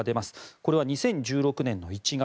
これは２０１６年の１月。